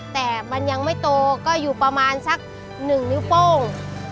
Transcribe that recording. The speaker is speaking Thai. แต่มันยังไม่โตก็อยู่ประมาณสัก๑นิ้วโป้ง